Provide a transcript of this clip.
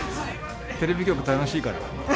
テレビ局楽しいから。